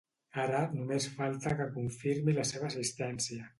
Ara només falta que confirmi la seva assistència.